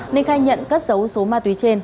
ninh khai nhận cất dấu số ma túy trên